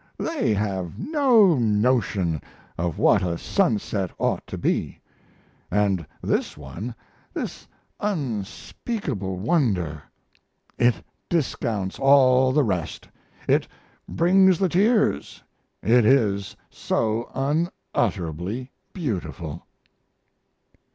They have no notion of what a sunset ought to be. And this one this unspeakable wonder! It discounts all the rest. It brings the tears, it is so unutterably beautiful.